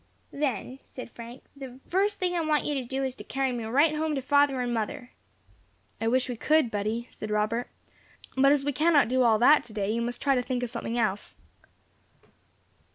"Then," said Frank, "the first thing I want you to do, is to carry me right home to father and mother." "I wish we could, Buddy," said Robert; "but as we cannot do all that today, you must try to think of something else."